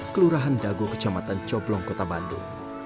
kelurahan dago kecamatan coblong kota bandung